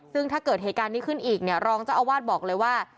ซึ่งถ้าเกิดเหตุการณ์นี้ขึ้นอีกเนี่ยรองเจ้าอาวาสบอกเลยว่า